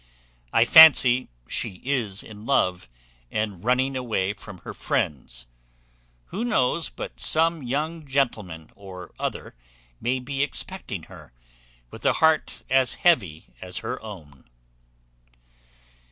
I fancy she is in love, and running away from her friends. Who knows but some young gentleman or other may be expecting her, with a heart as heavy as her own?"